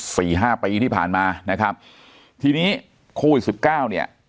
สี่ห้าปีที่ผ่านมานะครับทีนี้โควิดสิบเก้าเนี่ย